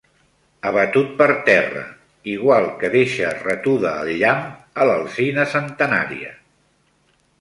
Abatut per terra, igual que deixa retuda el llamp a l'alzina centenària.